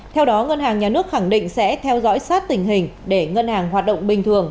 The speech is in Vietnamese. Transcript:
theo đó ngân hàng nhà nước khẳng định sẽ theo dõi sát tình hình để ngân hàng hoạt động bình thường